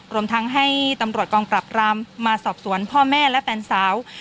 รวมทั้งให้ตำรวจกองปรับรามมาสอบสวนพ่อแม่และแฟนสาว